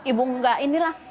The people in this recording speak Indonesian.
ibu gak inilah